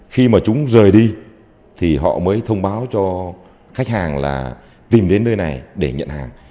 khi mà chúng rời đi thì họ mới thông báo cho khách hàng là tìm đến nơi này để nhận hàng